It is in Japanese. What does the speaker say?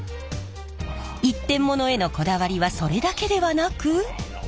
一点物へのこだわりはそれだけではなく。